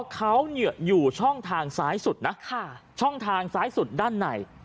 เขาอยู่ช่องทางซ้ายสุดนะช่องทางซ้ายสุดด้านใน